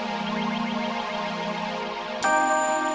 bahwa dia tidak ingin meninjaumu dengan tamat seseorang